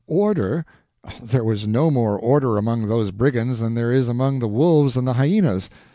Order? There was no more order among those brigands than there is among the wolves and the hyenas.